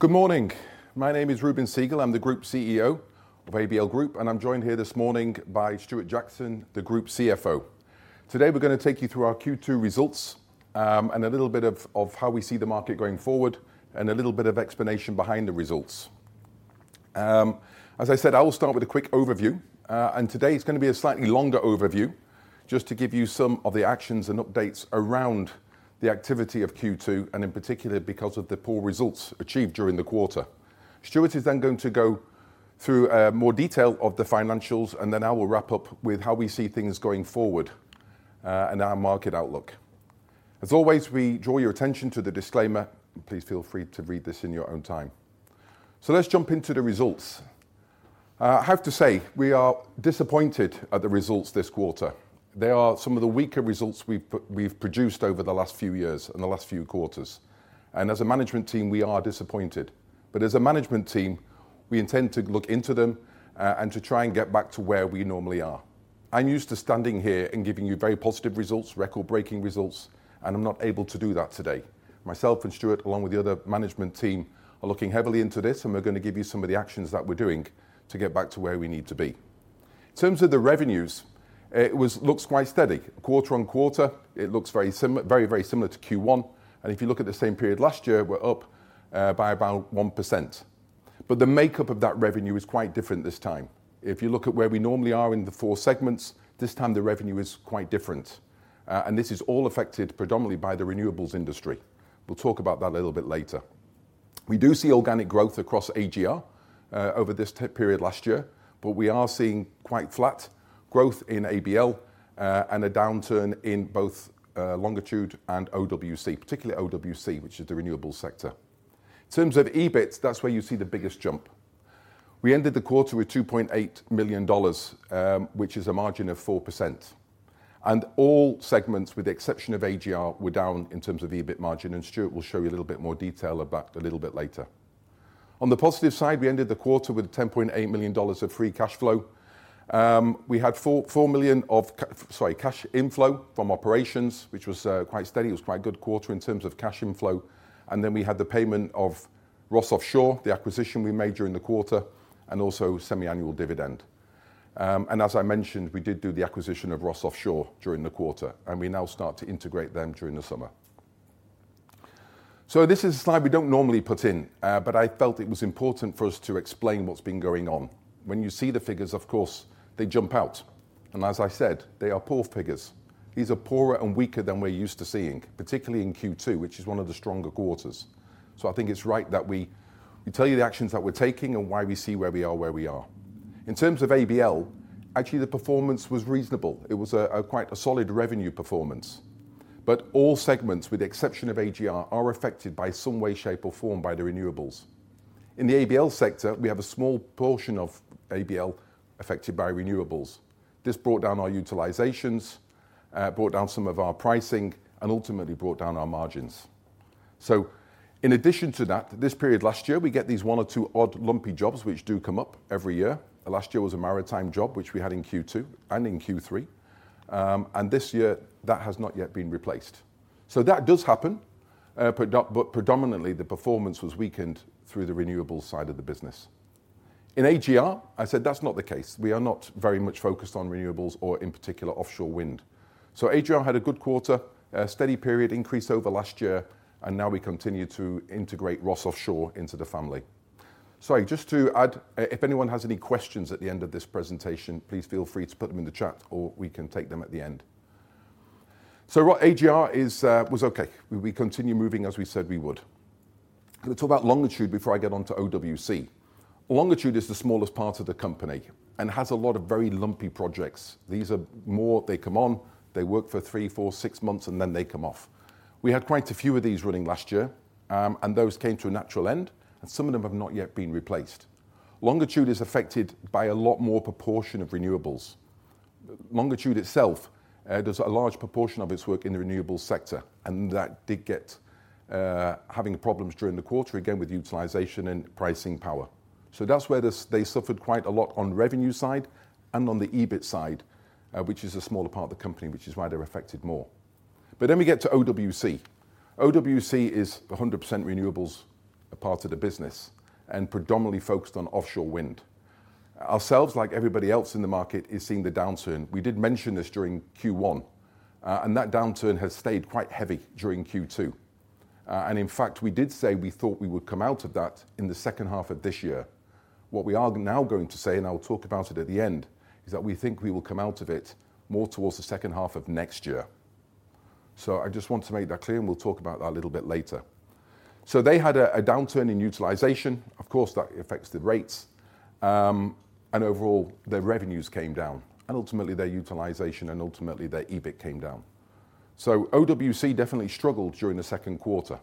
Good morning. My name is Reuben Segal. I'm the Group CEO of ABL Group, and I'm joined here this morning by Stuart Jackson, the Group CFO. Today, we're going to take you through our Q2 results, and a little bit of how we see the market going forward, and a little bit of explanation behind the results. As I said, I will start with a quick overview, and today it's going to be a slightly longer overview, just to give you some of the actions and updates around the activity of Q2, and in particular, because of the poor results achieved during the quarter. Stuart is then going to go through more detail of the financials, and then I will wrap up with how we see things going forward, and our market outlook. As always, we draw your attention to the disclaimer. Please feel free to read this in your own time. Let's jump into the results. I have to say, we are disappointed at the results this quarter. They are some of the weaker results we've produced over the last few years and the last few quarters, and as a management team, we are disappointed, but as a management team, we intend to look into them and to try and get back to where we normally are. I'm used to standing here and giving you very positive results, record-breaking results, and I'm not able to do that today. Myself and Stuart, along with the other management team, are looking heavily into this, and we're going to give you some of the actions that we're doing to get back to where we need to be. In terms of the revenues, it looks quite steady. Quarter on quarter, it looks very, very similar to Q1, and if you look at the same period last year, we're up by about 1%, but the makeup of that revenue is quite different this time. If you look at where we normally are in the four segments, this time the revenue is quite different, and this is all affected predominantly by the renewables industry. We'll talk about that a little bit later. We do see organic growth across AGR over this period last year, but we are seeing quite flat growth in ABL and a downturn in both Longitude and OWC, particularly OWC, which is the renewables sector. In terms of EBIT, that's where you see the biggest jump. We ended the quarter with $2.8 million, which is a margin of 4%. All segments, with the exception of AGR, were down in terms of EBIT margin, and Stuart will show you a little bit more detail about a little bit later. On the positive side, we ended the quarter with $10.8 million of free cash flow. We had $4 million cash inflow from operations, which was quite steady. It was quite a good quarter in terms of cash inflow. Then we had the payment of Ross Offshore, the acquisition we made during the quarter, and also semi-annual dividend. And as I mentioned, we did do the acquisition of Ross Offshore during the quarter, and we now start to integrate them during the summer. This is a slide we don't normally put in, but I felt it was important for us to explain what's been going on. When you see the figures, of course, they jump out, and as I said, they are poor figures. These are poorer and weaker than we're used to seeing, particularly in Q2, which is one of the stronger quarters. So I think it's right that we tell you the actions that we're taking and why we see where we are. In terms of ABL, actually, the performance was reasonable. It was quite a solid revenue performance, but all segments, with the exception of AGR, are affected by some way, shape, or form by the renewables. In the ABL sector, we have a small portion of ABL affected by renewables. This brought down our utilizations, brought down some of our pricing, and ultimately brought down our margins. So in addition to that, this period last year, we get these one or two odd lumpy jobs which do come up every year. Last year was a maritime job, which we had in Q2 and in Q3. And this year, that has not yet been replaced. So that does happen, but predominantly, the performance was weakened through the renewables side of the business. In AGR, I said that's not the case. We are not very much focused on renewables or in particular, offshore wind. So AGR had a good quarter, a steady period increase over last year, and now we continue to integrate Ross Offshore into the family. Sorry, just to add, if anyone has any questions at the end of this presentation, please feel free to put them in the chat or we can take them at the end. So AGR is was okay. We continue moving as we said we would. I'm going to talk about Longitude before I get on to OWC. Longitude is the smallest part of the company and has a lot of very lumpy projects. These are more, they come on, they work for three, four, six months, and then they come off. We had quite a few of these running last year, and those came to a natural end, and some of them have not yet been replaced. Longitude is affected by a lot more proportion of renewables. Longitude itself does a large proportion of its work in the renewables sector, and that did get having problems during the quarter, again, with utilization and pricing power. So that's where this, they suffered quite a lot on revenue side and on the EBIT side, which is a smaller part of the company, which is why they're affected more. But then we get to OWC. OWC is 100% renewables part of the business and predominantly focused on offshore wind. Ourselves, like everybody else in the market, is seeing the downturn. We did mention this during Q1, and that downturn has stayed quite heavy during Q2. And in fact, we did say we thought we would come out of that in the second half of this year. What we are now going to say, and I will talk about it at the end, is that we think we will come out of it more towards the second half of next year. I just want to make that clear, and we'll talk about that a little bit later. They had a downturn in utilization. Of course, that affects the rates, and overall, their revenues came down, and ultimately, their utilization and ultimately their EBIT came down. OWC definitely struggled during the second quarter.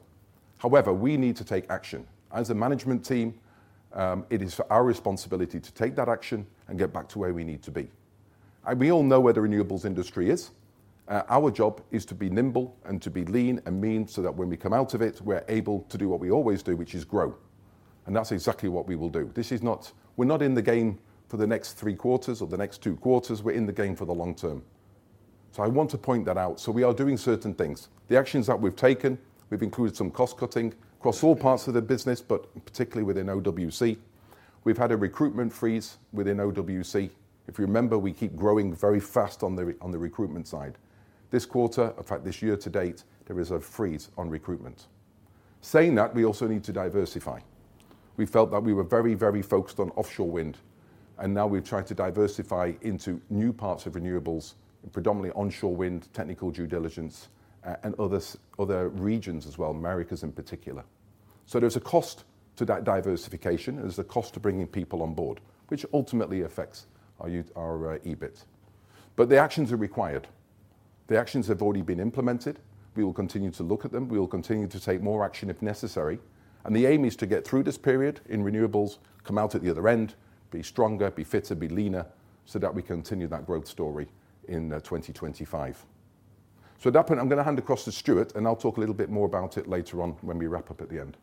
However, we need to take action. As a management team, it is our responsibility to take that action and get back to where we need to be. And we all know where the renewables industry is. Our job is to be nimble and to be lean and mean so that when we come out of it, we're able to do what we always do, which is grow. And that's exactly what we will do. This is not. We're not in the game for the next three quarters or the next two quarters. We're in the game for the long term. So I want to point that out. So we are doing certain things. The actions that we've taken, we've included some cost-cutting across all parts of the business, but particularly within OWC. We've had a recruitment freeze within OWC. If you remember, we keep growing very fast on the recruitment side. This quarter, in fact, this year to date, there is a freeze on recruitment. Saying that, we also need to diversify. We felt that we were very, very focused on offshore wind, and now we've tried to diversify into new parts of renewables, predominantly onshore wind, technical due diligence, and other regions as well, Americas in particular. So there's a cost to that diversification. There's a cost to bringing people on board, which ultimately affects our EBIT. But the actions are required. The actions have already been implemented. We will continue to look at them. We will continue to take more action if necessary, and the aim is to get through this period in renewables, come out at the other end, be stronger, be fitter, be leaner, so that we continue that growth story in twenty twenty-five. So at that point, I'm going to hand across to Stuart, and I'll talk a little bit more about it later on when we wrap up at the end.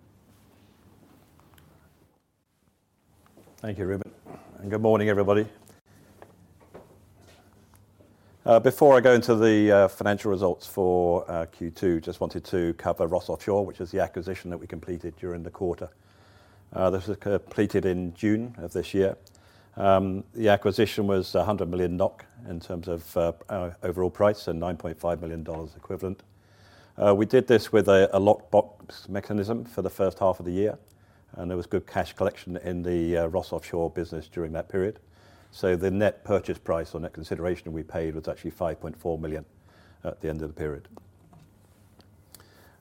Thank you, Reuben, and good morning, everybody. Before I go into the financial results for Q2, just wanted to cover Ross Offshore, which is the acquisition that we completed during the quarter. This was completed in June of this year. The acquisition was 100 million NOK in terms of overall price and $9.5 million equivalent. We did this with a lock-box mechanism for the first half of the year, and there was good cash collection in the Ross Offshore business during that period. So the net purchase price or net consideration we paid was actually $5.4 million at the end of the period.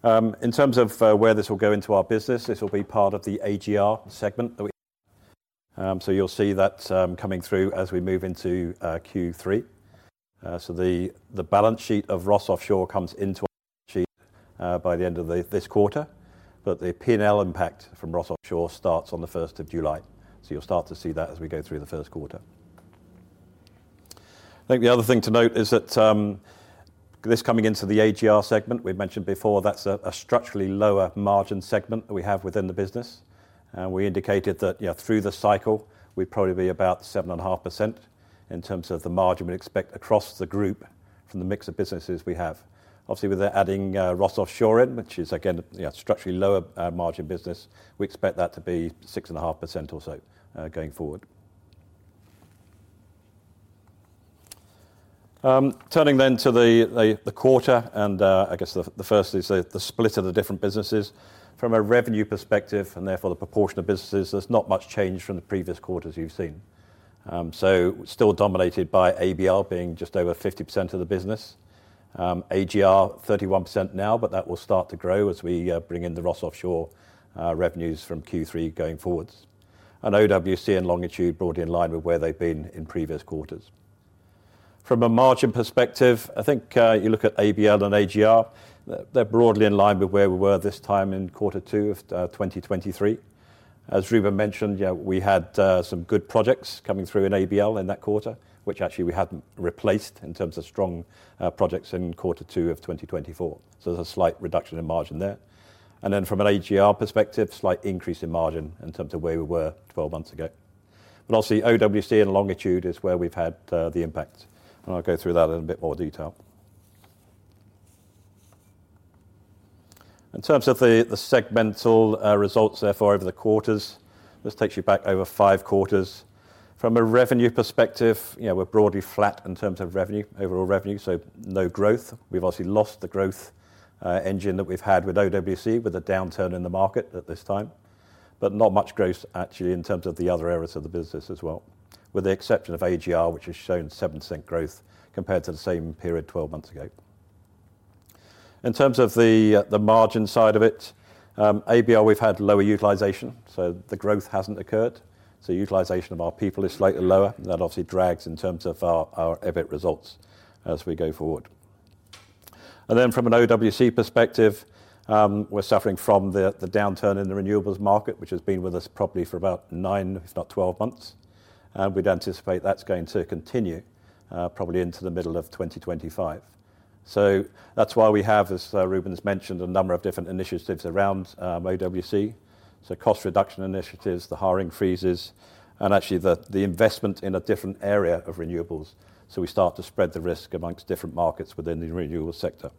In terms of where this will go into our business, this will be part of the AGR segment that we... So you'll see that coming through as we move into Q3. So the balance sheet of Ross Offshore comes into our sheet by the end of this quarter, but the P&L impact from Ross Offshore starts on the first of July. So you'll start to see that as we go through the first quarter. I think the other thing to note is that this coming into the AGR segment, we've mentioned before, that's a structurally lower margin segment that we have within the business. And we indicated that, you know, through the cycle, we'd probably be about 7.5% in terms of the margin we expect across the group from the mix of businesses we have. Obviously, with adding Ross Offshore in, which is again, you know, a structurally lower margin business, we expect that to be 6.5% or so going forward. Turning then to the quarter, and I guess the first is the split of the different businesses. From a revenue perspective, and therefore the proportion of businesses, there's not much change from the previous quarters you've seen. So still dominated by ABL being just over 50% of the business. AGR, 31% now, but that will start to grow as we bring in the Ross Offshore revenues from Q3 going forwards, and OWC and Longitude broadly in line with where they've been in previous quarters. From a margin perspective, I think, you look at ABL and AGR, they're broadly in line with where we were this time in quarter two of 2023. As Reuben mentioned, yeah, we had some good projects coming through in ABL in that quarter, which actually we hadn't replaced in terms of strong projects in quarter two of 2024. So there's a slight reduction in margin there. And then from an AGR perspective, slight increase in margin in terms of where we were 12 months ago. But obviously, OWC and Longitude is where we've had the impact, and I'll go through that in a bit more detail. In terms of the segmental results, therefore, over the quarters, this takes you back over 5 quarters. From a revenue perspective, you know, we're broadly flat in terms of revenue, overall revenue, so no growth. We've obviously lost the growth engine that we've had with OWC, with a downturn in the market at this time, but not much growth actually, in terms of the other areas of the business as well, with the exception of AGR, which has shown 7% growth compared to the same period twelve months ago. In terms of the margin side of it, ABL, we've had lower utilization, so the growth hasn't occurred. So utilization of our people is slightly lower. That obviously drags in terms of our EBIT results as we go forward. And then from an OWC perspective, we're suffering from the downturn in the renewables market, which has been with us probably for about nine, if not 12 months, and we'd anticipate that's going to continue probably into the middle of 2025. That's why we have, as Reuben's mentioned, a number of different initiatives around OWC. So cost reduction initiatives, the hiring freezes, and actually the investment in a different area of renewables, so we start to spread the risk amongst different markets within the renewable sector.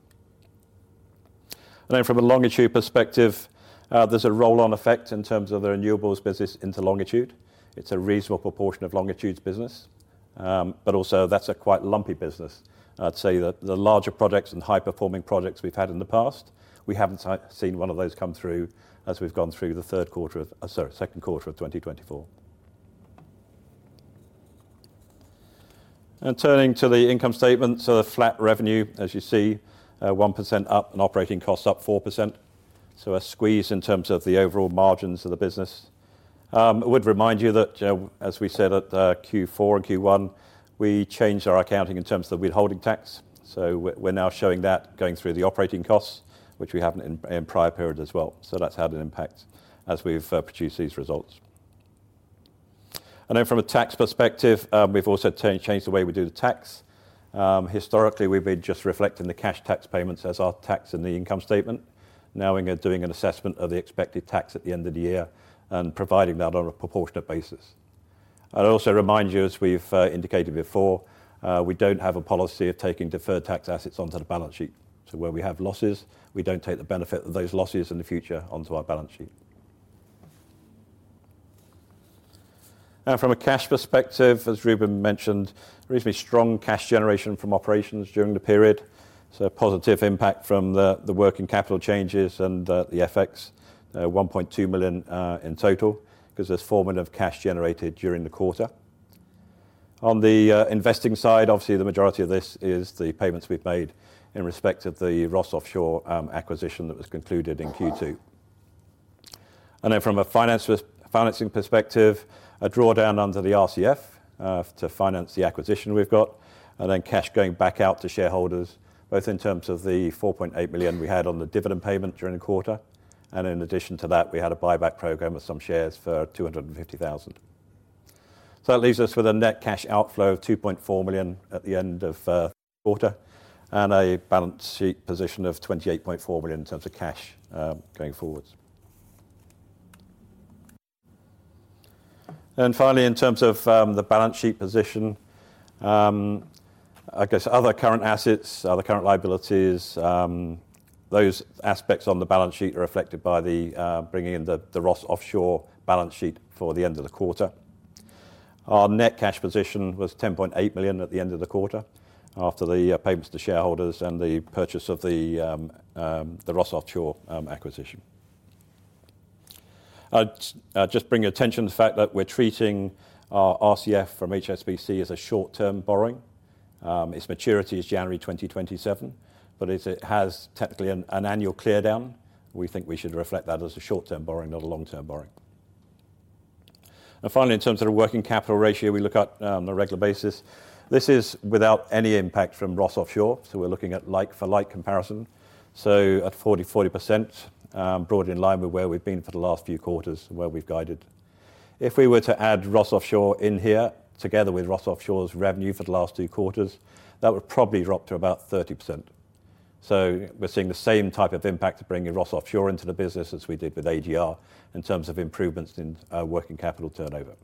And then from a Longitude perspective, there's a roll-on effect in terms of the renewables business into Longitude. It's a reasonable proportion of Longitude's business, but also that's a quite lumpy business. I'd say that the larger projects and high-performing projects we've had in the past, we haven't seen one of those come through as we've gone through the second quarter of twenty twenty-four. Turning to the income statement, so a flat revenue, as you see, 1% up and operating costs up 4%. So a squeeze in terms of the overall margins of the business. I would remind you that, you know, as we said at Q4 and Q1, we changed our accounting in terms of the withholding tax. So we're now showing that going through the operating costs, which we haven't in prior periods as well. So that's had an impact as we've produced these results. Then from a tax perspective, we've also changed the way we do the tax. Historically, we've been just reflecting the cash tax payments as our tax in the income statement. Now we're doing an assessment of the expected tax at the end of the year and providing that on a proportionate basis. I would also remind you, as we've indicated before, we don't have a policy of taking deferred tax assets onto the balance sheet. So where we have losses, we don't take the benefit of those losses in the future onto our balance sheet. Now, from a cash perspective, as Reuben mentioned, reasonably strong cash generation from operations during the period, so a positive impact from the working capital changes and the FX, $1.2 million in total, 'cause there's $4 million of cash generated during the quarter. On the investing side, obviously, the majority of this is the payments we've made in respect of the Ross Offshore acquisition that was concluded in Q2. And then from a financing perspective, a drawdown under the RCF to finance the acquisition we've got, and then cash going back out to shareholders, both in terms of the $4.8 million we had on the dividend payment during the quarter, and in addition to that, we had a buyback program of some shares for $250,000. So that leaves us with a net cash outflow of $2.4 million at the end of the quarter, and a balance sheet position of $28.4 billion in terms of cash going forward. And finally, in terms of the balance sheet position, I guess other current assets, other current liabilities, those aspects on the balance sheet are reflected by bringing in the Ross Offshore balance sheet for the end of the quarter. Our net cash position was $10.8 million at the end of the quarter, after the payments to shareholders and the purchase of the Ross Offshore acquisition. I'd just bring your attention to the fact that we're treating our RCF from HSBC as a short-term borrowing. Its maturity is January 2027, but it has technically an annual clear-down. We think we should reflect that as a short-term borrowing, not a long-term borrowing. And finally, in terms of the working capital ratio we look at, on a regular basis, this is without any impact from Ross Offshore, so we're looking at like for like comparison. So at 40-40%, broadly in line with where we've been for the last few quarters and where we've guided. If we were to add Ross Offshore in here, together with Ross Offshore's revenue for the last two quarters, that would probably drop to about 30%. So we're seeing the same type of impact of bringing Ross Offshore into the business as we did with AGR, in terms of improvements in working capital turnover.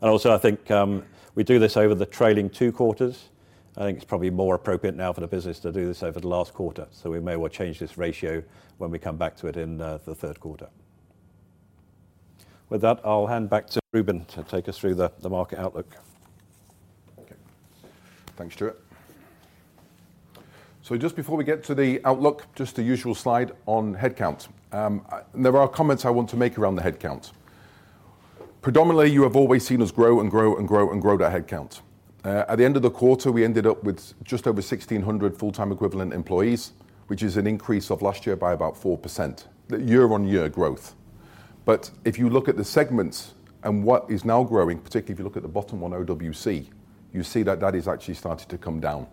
And also, I think, we do this over the trailing two quarters. I think it's probably more appropriate now for the business to do this over the last quarter, so we may well change this ratio when we come back to it in the third quarter. With that, I'll hand back to Reuben to take us through the market outlook. Okay. Thanks, Stuart. So just before we get to the outlook, just the usual slide on headcount. And there are comments I want to make around the headcount. Predominantly, you have always seen us grow and grow and grow and grow the headcount. At the end of the quarter, we ended up with just over 1,600 full-time equivalent employees, which is an increase of last year by about 4%, the year-on-year growth. But if you look at the segments and what is now growing, particularly if you look at the bottom one, OWC, you see that that is actually starting to come down,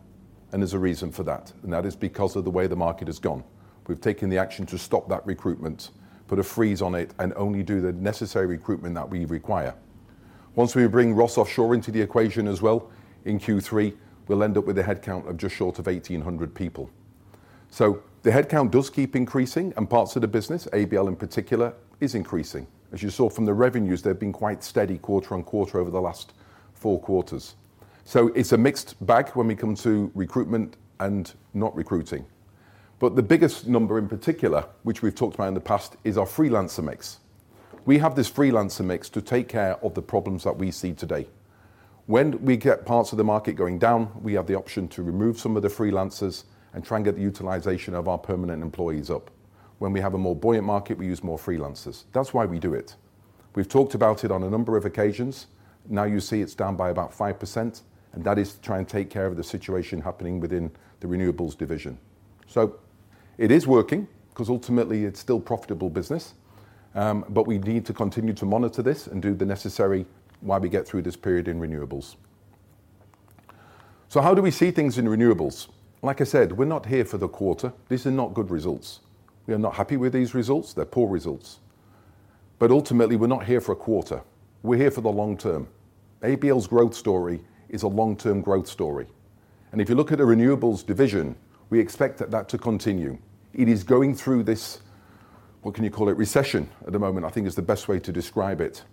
and there's a reason for that. And that is because of the way the market has gone. We've taken the action to stop that recruitment, put a freeze on it, and only do the necessary recruitment that we require. Once we bring Ross Offshore into the equation as well in Q3, we'll end up with a headcount of just short of eighteen hundred people. So the headcount does keep increasing, and parts of the business, ABL in particular, is increasing. As you saw from the revenues, they've been quite steady quarter on quarter over the last four quarters. So it's a mixed bag when we come to recruitment and not recruiting. But the biggest number in particular, which we've talked about in the past, is our freelancer mix. We have this freelancer mix to take care of the problems that we see today. When we get parts of the market going down, we have the option to remove some of the freelancers and try and get the utilization of our permanent employees up. When we have a more buoyant market, we use more freelancers. That's why we do it. We've talked about it on a number of occasions. Now you see it's down by about 5%, and that is to try and take care of the situation happening within the renewables division. So it is working, 'cause ultimately it's still profitable business, but we need to continue to monitor this and do the necessary while we get through this period in renewables. So how do we see things in renewables? Like I said, we're not here for the quarter. These are not good results. We are not happy with these results. They're poor results. But ultimately, we're not here for a quarter. We're here for the long term. ABL's growth story is a long-term growth story. And if you look at the renewables division, we expect that to continue. It is going through this, what can you call it? Recession, at the moment, I think is the best way to describe it.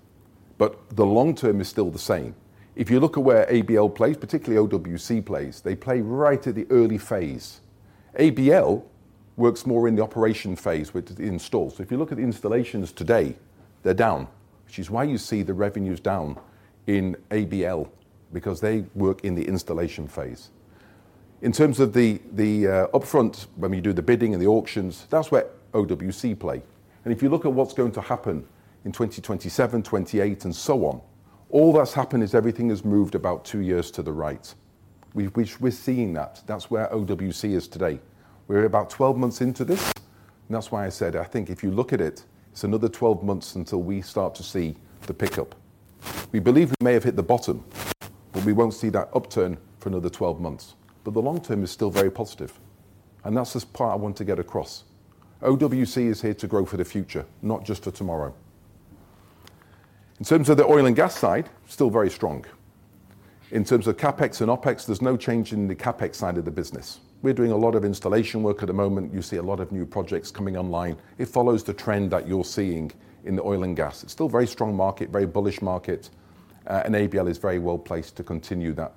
But the long term is still the same. If you look at where ABL plays, particularly OWC plays, they play right at the early phase. ABL works more in the operation phase, with the install. So if you look at the installations today, they're down, which is why you see the revenues down in ABL, because they work in the installation phase. In terms of the upfront, when we do the bidding and the auctions, that's where OWC play. And if you look at what's going to happen in twenty twenty-seven, twenty-eight, and so on, all that's happened is everything has moved about two years to the right. We've. We're seeing that. That's where OWC is today. We're about 12 months into this, and that's why I said, I think if you look at it, it's another 12 months until we start to see the pickup. We believe we may have hit the bottom, but we won't see that upturn for another 12 months. But the long term is still very positive, and that's this part I want to get across. OWC is here to grow for the future, not just for tomorrow. In terms of the oil and gas side, still very strong.... In terms of CapEx and OpEx, there's no change in the CapEx side of the business. We're doing a lot of installation work at the moment. You see a lot of new projects coming online. It follows the trend that you're seeing in the oil and gas. It's still a very strong market, very bullish market, and ABL is very well-placed to continue that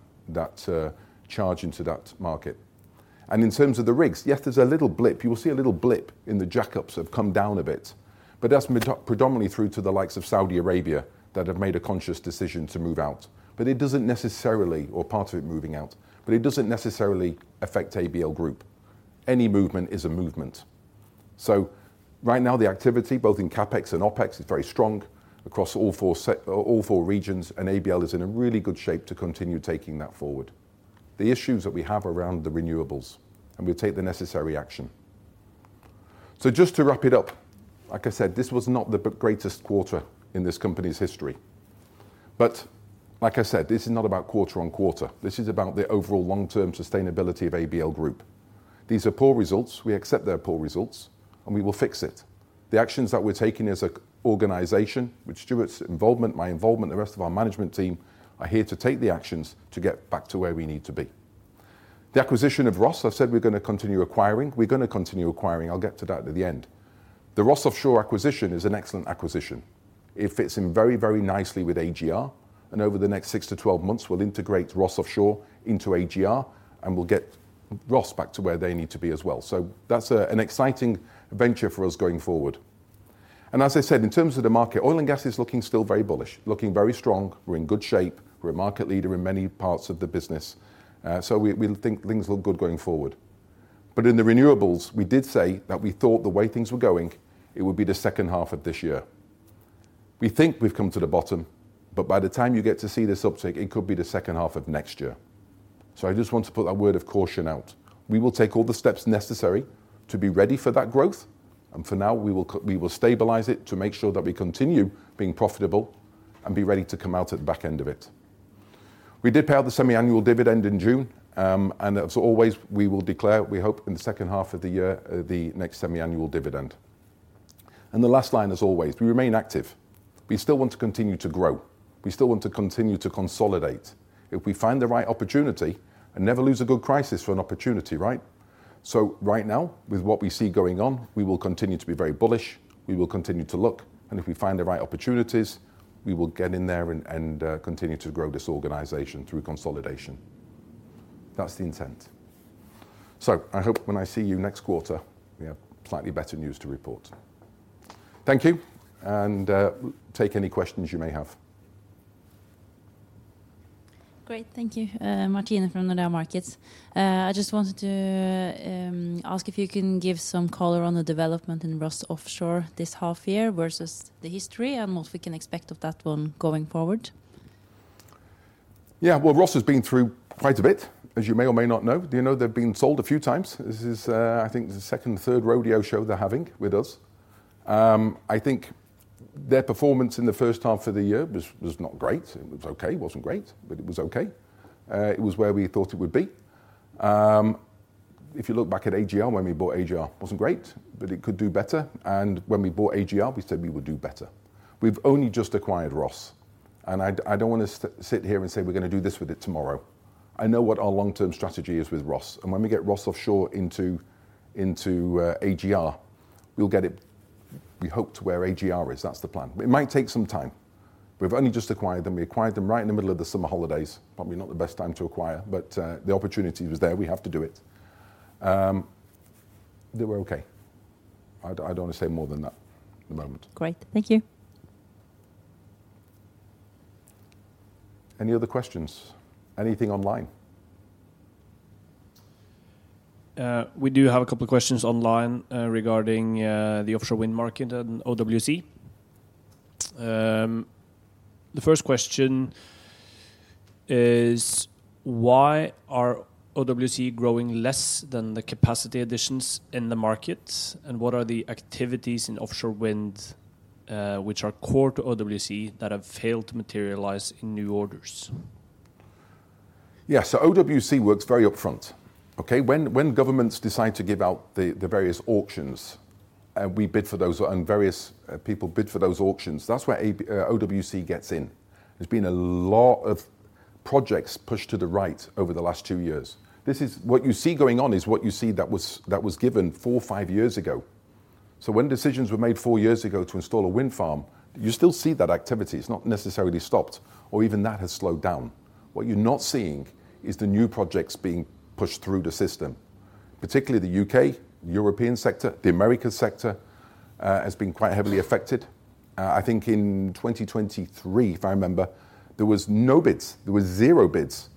charge into that market. In terms of the rigs, yes, there's a little blip. You will see a little blip, and the jack-ups have come down a bit, but that's predominantly through to the likes of Saudi Arabia that have made a conscious decision to move out. It doesn't necessarily affect ABL Group, or part of it moving out. Any movement is a movement. Right now, the activity, both in CapEx and OpEx, is very strong across all four regions, and ABL is in a really good shape to continue taking that forward. The issues that we have around the renewables, and we'll take the necessary action. So just to wrap it up, like I said, this was not the greatest quarter in this company's history. But like I said, this is not about quarter on quarter. This is about the overall long-term sustainability of ABL Group. These are poor results. We accept they're poor results, and we will fix it. The actions that we're taking as a organization, with Stuart's involvement, my involvement, the rest of our management team, are here to take the actions to get back to where we need to be. The acquisition of Ross. I've said we're going to continue acquiring. We're going to continue acquiring. I'll get to that at the end. The Ross Offshore acquisition is an excellent acquisition. It fits in very, very nicely with AGR, and over the next six to 12 months, we'll integrate Ross Offshore into AGR and we'll get Ross back to where they need to be as well. So that's an exciting venture for us going forward. And as I said, in terms of the market, oil and gas is looking still very bullish, looking very strong. We're in good shape. We're a market leader in many parts of the business, so we think things look good going forward. But in the renewables, we did say that we thought the way things were going, it would be the second half of this year. We think we've come to the bottom, but by the time you get to see this uptick, it could be the second half of next year. So I just want to put that word of caution out. We will take all the steps necessary to be ready for that growth, and for now, we will stabilize it to make sure that we continue being profitable and be ready to come out at the back end of it. We did pay out the semi-annual dividend in June, and as always, we will declare, we hope, in the second half of the year, the next semi-annual dividend. The last line is always, we remain active. We still want to continue to grow. We still want to continue to consolidate. If we find the right opportunity and never lose a good crisis for an opportunity, right? Right now, with what we see going on, we will continue to be very bullish. We will continue to look, and if we find the right opportunities, we will get in there and continue to grow this organization through consolidation. That's the intent. So I hope when I see you next quarter, we have slightly better news to report. Thank you, and take any questions you may have. Great. Thank you. Martine from Nordea Markets. I just wanted to ask if you can give some color on the development in Ross Offshore this half year versus the history and what we can expect of that one going forward. Yeah, well, Ross has been through quite a bit, as you may or may not know. Do you know they've been sold a few times? This is, I think, the second or third rodeo show they're having with us. I think their performance in the first half of the year was, was not great. It was okay. Wasn't great, but it was okay. It was where we thought it would be. If you look back at AGR, when we bought AGR, it wasn't great, but it could do better. And when we bought AGR, we said we would do better. We've only just acquired Ross, and I don't want to sit here and say, we're going to do this with it tomorrow. I know what our long-term strategy is with Ross, and when we get Ross Offshore into AGR, we'll get it, we hope, to where AGR is. That's the plan. It might take some time. We've only just acquired them. We acquired them right in the middle of the summer holidays. Probably not the best time to acquire, but the opportunity was there. We have to do it. They were okay. I don't want to say more than that at the moment. Great. Thank you. Any other questions? Anything online? We do have a couple of questions online, regarding the offshore wind market and OWC. The first question is: Why are OWC growing less than the capacity additions in the markets, and what are the activities in offshore wind, which are core to OWC that have failed to materialize in new orders? Yeah, so OWC works very upfront, okay? When governments decide to give out the various auctions, and we bid for those, and various people bid for those auctions, that's where ABL, OWC gets in. There's been a lot of projects pushed to the right over the last two years. This is what you see going on is what you see that was given four, five years ago, so when decisions were made four years ago to install a wind farm, you still see that activity. It's not necessarily stopped or even that has slowed down. What you're not seeing is the new projects being pushed through the system, particularly the UK, European sector. The American sector has been quite heavily affected. I think in 2023, if I remember, there was no bids. There was zero bids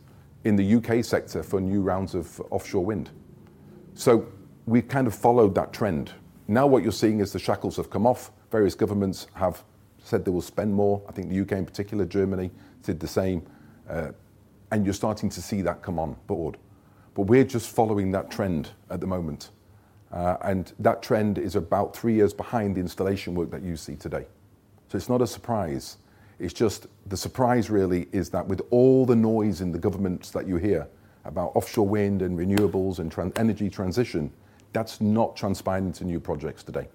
in the U.K. sector for new rounds of offshore wind. So we've kind of followed that trend. Now, what you're seeing is the shackles have come off. Various governments have said they will spend more. I think the U.K. in particular, Germany, did the same, and you're starting to see that come on board. But we're just following that trend at the moment, and that trend is about three years behind the installation work that you see today. So it's not a surprise. It's just the surprise really is that with all the noise in the governments that you hear about offshore wind and renewables and energy transition, that's not transpiring to new projects today.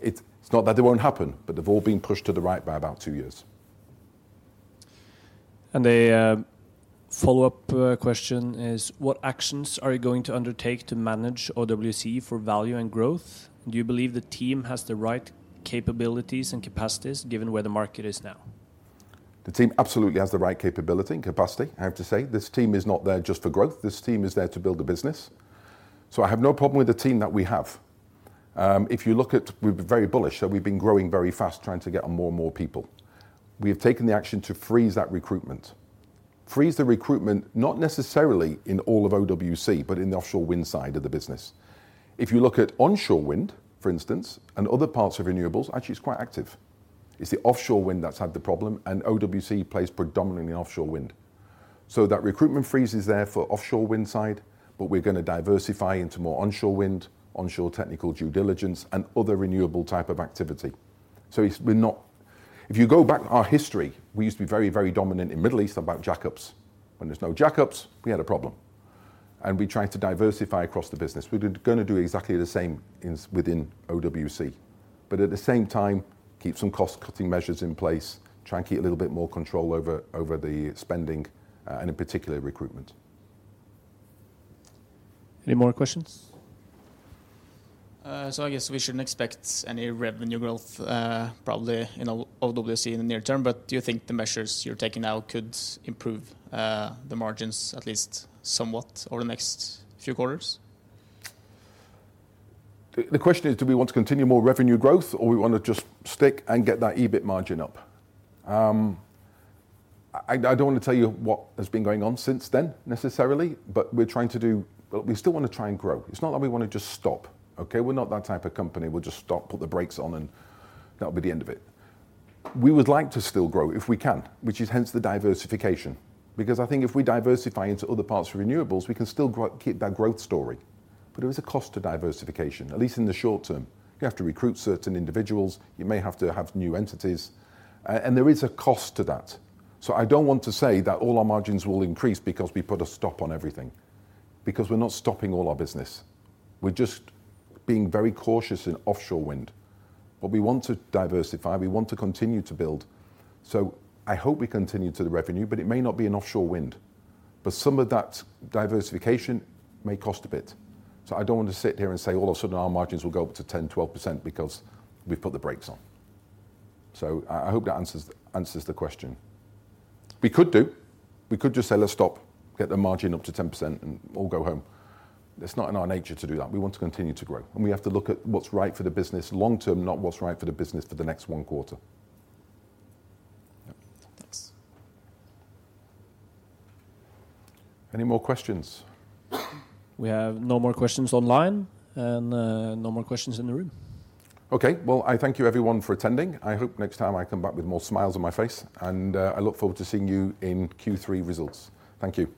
It's not that they won't happen, but they've all been pushed to the right by about two years. A follow-up question is: What actions are you going to undertake to manage OWC for value and growth? Do you believe the team has the right capabilities and capacities, given where the market is now? The team absolutely has the right capability and capacity, I have to say. This team is not there just for growth. This team is there to build a business. So I have no problem with the team that we have. We've been very bullish, so we've been growing very fast, trying to get on more and more people. We have taken the action to freeze that recruitment. Freeze the recruitment, not necessarily in all of OWC, but in the offshore wind side of the business. If you look at onshore wind, for instance, and other parts of renewables, actually, it's quite active. It's the offshore wind that's had the problem, and OWC plays predominantly in offshore wind. So that recruitment freeze is there for offshore wind side, but we're going to diversify into more onshore wind, onshore technical due diligence, and other renewable type of activity. So, we're not... If you go back in our history, we used to be very, very dominant in Middle East about jackups. When there's no jackups, we had a problem, and we tried to diversify across the business. We're gonna do exactly the same within OWC, but at the same time, keep some cost-cutting measures in place, try and keep a little bit more control over the spending, and in particular, recruitment. Any more questions? So I guess we shouldn't expect any revenue growth, probably in OWC in the near term, but do you think the measures you're taking now could improve the margins at least somewhat over the next few quarters? The question is, do we want to continue more revenue growth or we want to just stick and get that EBIT margin up? I don't want to tell you what has been going on since then, necessarily, but we're trying to we still want to try and grow. It's not like we want to just stop, okay? We're not that type of company. We'll just stop, put the brakes on, and that'll be the end of it. We would like to still grow if we can, which is hence the diversification, because I think if we diversify into other parts of renewables, we can still grow, keep that growth story. But there is a cost to diversification, at least in the short term. You have to recruit certain individuals, you may have to have new entities, and there is a cost to that. So I don't want to say that all our margins will increase because we put a stop on everything, because we're not stopping all our business. We're just being very cautious in offshore wind. But we want to diversify, we want to continue to build. So I hope we continue to the revenue, but it may not be in offshore wind. But some of that diversification may cost a bit. So I don't want to sit here and say, all of a sudden, our margins will go up to 10, 12% because we've put the brakes on. So I hope that answers the question. We could just say, "Let's stop, get the margin up to 10% and all go home." It's not in our nature to do that. We want to continue to grow, and we have to look at what's right for the business long term, not what's right for the business for the next one quarter. Any more questions? We have no more questions online and, no more questions in the room. Okay, well, I thank you everyone for attending. I hope next time I come back with more smiles on my face, and, I look forward to seeing you in Q3 results. Thank you.